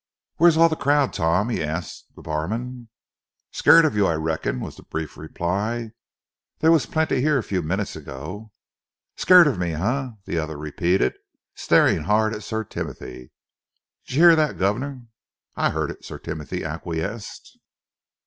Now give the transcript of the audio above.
"Where's all the crowd, Tom?" he asked the barman. "Scared of you, I reckon," was the brief reply. "There was plenty here a few minutes ago." "Scared of me, eh?" the other repeated, staring hard at Sir Timothy. "Did you 'ear that, guvnor?" "I heard it," Sir Timothy acquiesced.